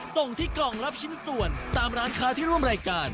ส่งที่กล่องรับชิ้นส่วนตามร้านค้าที่ร่วมรายการ